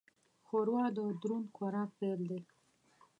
ښوروا د دروند خوراک پیل دی.